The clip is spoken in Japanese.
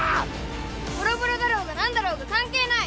ボロボロだろうがなんだろうが関係ない。